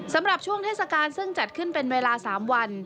สำหรับช่วงเทศกาลซึ่งจัดขึ้นเป็นเวลา๓วัน